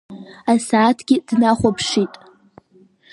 Асааҭгьы днахәаԥшит.